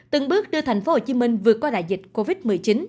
từng bước đưa thành phố hồ chí minh vượt qua đại dịch covid một mươi chín